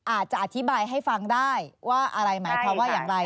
อาจจะอธิบายให้ฟังได้ว่าอะไรหมายความว่าอย่างไร